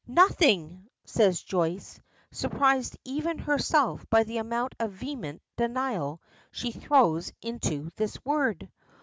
"Nothing!" says Joyce, surprised even herself by the amount of vehement denial she throws into this word.